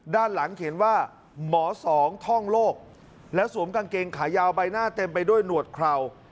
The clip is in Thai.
ด้านหลังเขียนว่าหมอสองท่องโลกและสวมกางเกงขายาวใบหน้าเต็มไปด้วยหนวดเครา